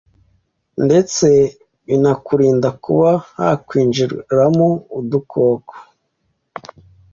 ndetse binakurinde kuba hakwinjiramo udukoko